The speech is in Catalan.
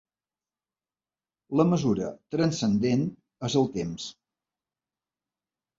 La mesura transcendent és el temps.